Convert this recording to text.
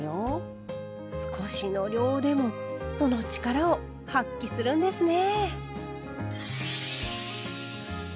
少しの量でもその力を発揮するんですね。